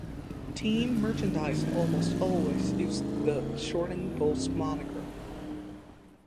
Team merchandise almost always used the shortened Bolts moniker.